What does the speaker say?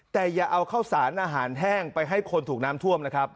แต่อย่าเอาข้าวสารอาหารแห้งไปให้คนถูกน้ำท่วมนะครับ